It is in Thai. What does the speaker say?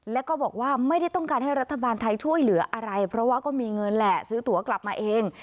แล้วก็บอกว่าไม่ได้ต้องการให้รัฐบาลไทยช่วยเหลืออะไรเพราะว่าก็มีเงินแหละซื้อตัวกลับมาเอง